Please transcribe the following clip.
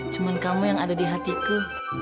cuma kamu yang ada di hatiku